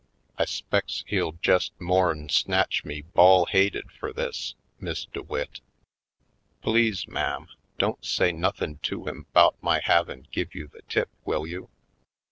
I 'spects he'll jest more'n snatch me ball haided fur this, Miss DeWitt. Please, ma'am, don't say nothin' to him 'bout my havin' give you the tip, will you?"